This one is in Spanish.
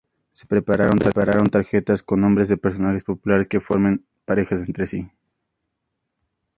Se preparan tarjetas con nombres de personajes populares, que formen parejas entre sí.